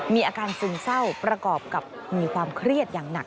มีอาการซึมเศร้าประกอบกับมีความเครียดอย่างหนัก